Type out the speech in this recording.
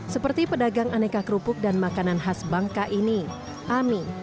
seperti pedagang aneka kerupuk dan makanan khas bangka ini ami